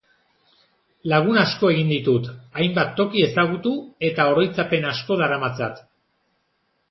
Lagun asko egin ditut, hainbat toki ezagutu, eta oroitzapen asko daramatzat.